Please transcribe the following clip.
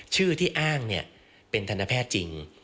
ชื่อที่อ้างเป็นธนแพทย์จริง